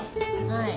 はい。